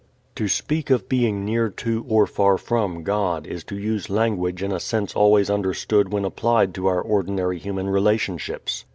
To speak of being near to or far from God is to use language in a sense always understood when applied to our ordinary human relationships.